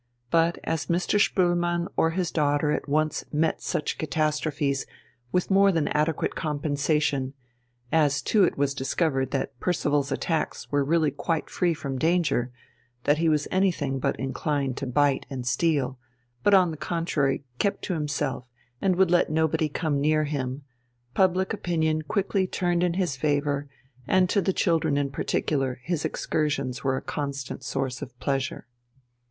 But as Mr. Spoelmann or his daughter at once met such catastrophes with more than adequate compensation, as too it was discovered that Percival's attacks were really quite free from danger, that he was anything but inclined to bite and steal, but on the contrary kept to himself and would let nobody come near him, public opinion quickly turned in his favour, and to the children in particular his excursions were a constant source of pleasure.